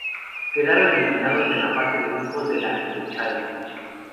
Quedaron eliminados en la fase de grupos de la EuroChallenge.